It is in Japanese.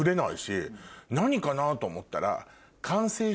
何かな？と思ったら。